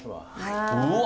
うわ！